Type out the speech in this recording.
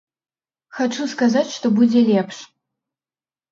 Хачу сказаць, што будзе лепш.